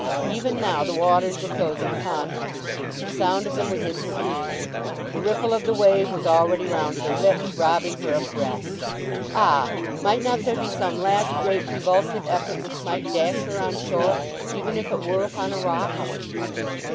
Even now the waters were closing upon her. The sound of them was in her ears. The ripple of the wave was already round her lips; robbing her of breath. Ah! might not there be some last great convulsive effort which might dash her on shore, even if it were upon a rock!